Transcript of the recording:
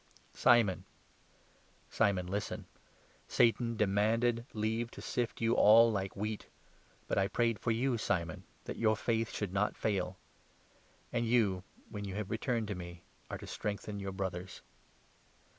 Simon ! Simon ! listen. Satan 31 foretold, demanded leave to sift you all like wheat, but 32 I prayed for you, Simon, that your faith should not fail. And you, when you have returned to me, are to strengthen your Brothers."